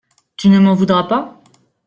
Tu ne m’en voudras pas ?